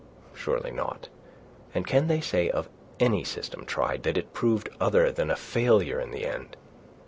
Surely not. And can they say of any system tried that it proved other than a failure in the end?